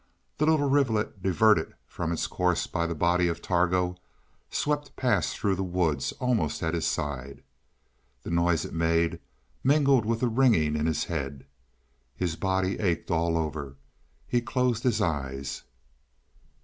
The little rivulet diverted from its course by the body of Targo, swept past through the woods almost at his side. The noise it made mingled with the ringing in his head. His body ached all over; he closed his eyes.